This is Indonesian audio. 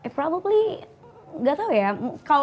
probably gak tau ya